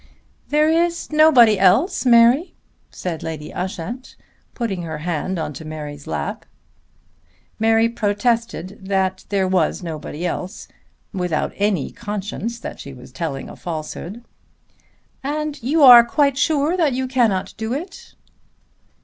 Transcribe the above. "There is nobody else, Mary?" said Lady Ushant putting her hand on to Mary's lap. Mary protested that there was nobody else without any consciousness that she was telling a falsehood. "And you are quite sure that you cannot do it?"